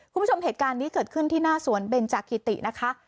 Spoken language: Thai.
คุณผู้ชมเหตุการณ์นี้เกิดขึ้นที่หน้าสวนเบนจากิตินะคะ